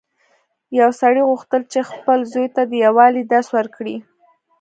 یو سړي غوښتل چې خپل زوی ته د یووالي درس ورکړي.